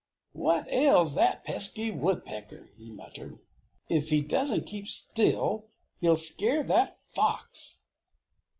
"What ails that pesky woodpecker?" he muttered. "If he doesn't keep still, he'll scare that fox!"